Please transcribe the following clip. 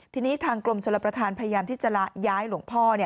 ทีนี้ทางกรมชลประธานพยายามที่จะย้ายหลวงพ่อ